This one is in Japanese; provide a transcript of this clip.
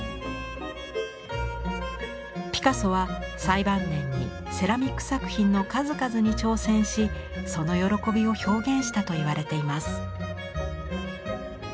ピカソは最晩年にセラミック作品の数々に挑戦しその喜びを表現したといわれています。